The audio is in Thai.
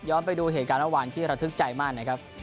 ย้อนไปดูเหตุการณ์วันหน้าวินที่ระทึกใจมากนะครับ